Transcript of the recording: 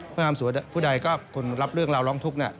พนักงานประสวนผู้ใดก็ควรรับเรื่องราวร้องทุกข์น่ะ